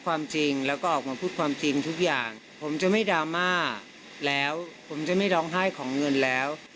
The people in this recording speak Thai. เป็นคนมาดูแลแล้ว